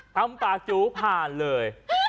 ปากจูผ่านเลย